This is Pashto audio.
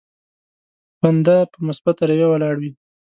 بنده په مثبته رويه ولاړ وي.